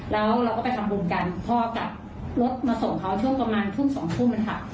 แล้วเราก็ไปทำบุญกันพอกลับรถมาส่งเขาช่วงประมาณทุ่มสองทุ่มค่ะ